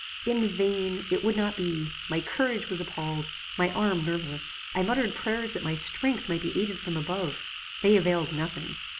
"In vain; it would not be; my courage was appalled; my arms nerveless: I muttered prayers that my strength might be aided from above. They availed nothing.